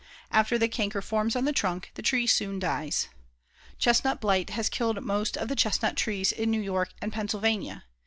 After the canker forms on the trunk, the tree soon dies. Chestnut blight has killed most of the chestnut trees in New York and Pennsylvania.